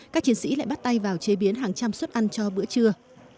các chiến sĩ lại bắt tay vào chế biến hàng trăm suất ăn cho bữa trưa